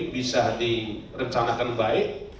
bisa direncanakan baik